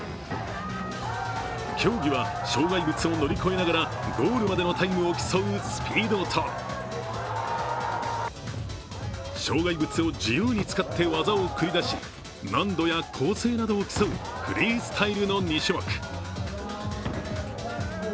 競技は、障害物を乗り越えながらゴールまでのタイムを競うスピードと、障害物を自由に使って技を繰り出し難度や構成などを競うフリースタイルの２種目。